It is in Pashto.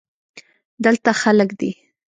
دلته خلگ دی.